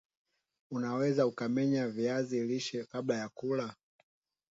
una weza ukamenya viazi lishe kabla ya kula